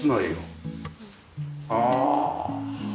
ああ。